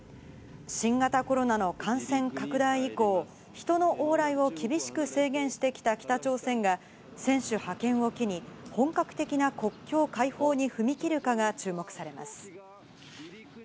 新型コロナの感染拡大以降、人の往来を厳しく制限してきた北朝鮮が、選手派遣を機に本格的な国境開放に踏み切るかが注目されます。